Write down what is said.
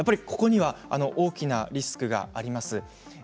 そこには大きなリスクがあります。